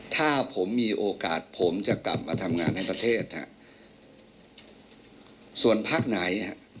ถ้าผมมีโอกาสผมจะกลับมาทำงานในประเทศฮะส่วนพักไหนฮะ